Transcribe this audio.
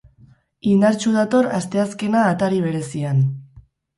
Indartsu dator asteazkena atari berezian.